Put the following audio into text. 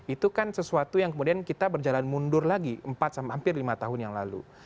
itu kan sesuatu yang kemudian kita berjalan mundur lagi hampir lima tahun yang lalu